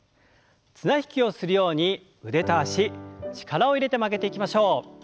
綱引きをするように腕と脚力を入れて曲げていきましょう。